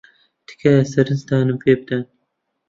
تکایە سەرنجتانم پێ بدەن.